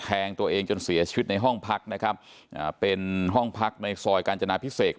ตัวเองจนเสียชีวิตในห้องพักนะครับอ่าเป็นห้องพักในซอยกาญจนาพิเศษ